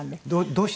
どうして？